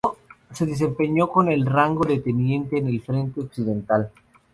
Se desempeñó con el rango de teniente en el frente occidental.